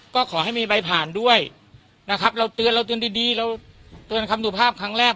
ก็ขอให้มีใบผ่านด้วยนะครับเราเตือนเราเตือนดีเราเตือนคำดูภาพครั้งแรก